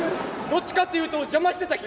どっちかっていうと邪魔してた気がする。